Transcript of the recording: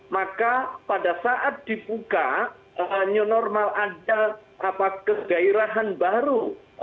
maka pada saat dibuka new normal ada kegairahan baru